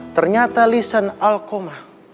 ternyata lisan alkomah